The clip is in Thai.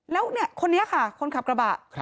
แล้วคนนี้ค่ะคนขับกระบะ